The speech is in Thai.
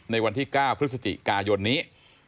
ในวันที่๙พฤศจิกายนนี้